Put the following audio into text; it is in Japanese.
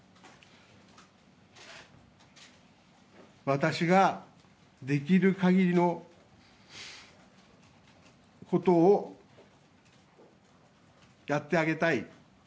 私ができる限りのことをやってあげたい。